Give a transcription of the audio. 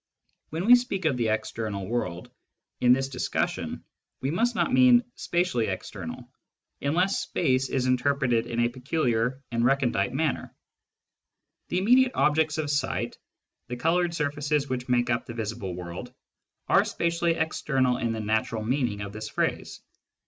When we speak of the " external " world in this dis cussion, we must not mean "spatially external," unless "space" is interpreted in a peculiar and recondite manner. The immediate objects of sight, the coloured surfaces which make up the visible world, are spatially external in the natural meaning of this phrase.